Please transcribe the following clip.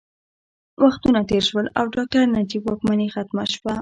وختونه تېر شول او ډاکټر نجیب واکمني ختمه شوه